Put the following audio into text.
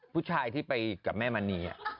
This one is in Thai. ผู้ชายที่ไปกับแม่มณี